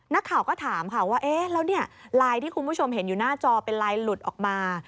นักข่าวก็ถามค่ะว่าเอ๊ะแล้วเนี่ยไลน์ที่คุณผู้ชมเห็นอยู่หน้าจอเป็นไลน์หลุดออกมา